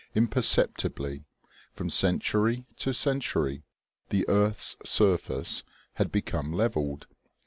Imperceptibly, from century to century, the earth's sur face had become levelled.